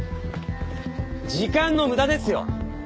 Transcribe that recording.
時間の無駄ですよ！